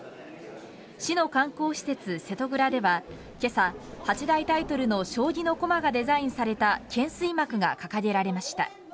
市の観光施設、瀬戸蔵では今朝八大タイトルの将棋の駒がデザインされた懸垂幕が掲げられました。